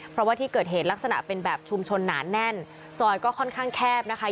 เพราะว่าที่เกิดเหตุลักษณะเป็นแบบชุมชนหนาแน่นซอยก็ค่อนข้างแคบนะคะ